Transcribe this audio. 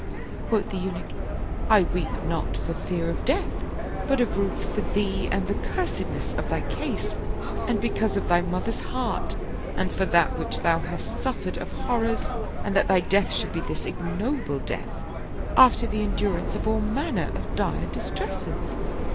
Quoth the Eunuch, " I weep not for fear of death, but of ruth for thee and the cursedness of thy case and because of thy mother's heart and for that which thou hast suffered of horrors and that thy death should be this ignoble death, 76 The Scar on the Throat after the endurance of all manner of dire distresses."